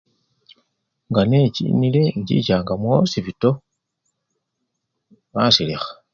Nga nechinile inchichanga mukhosipito basilikha.